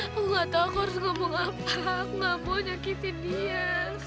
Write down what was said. aku gak tahu aku harus ngomong apa aku gak mau nyakitin dia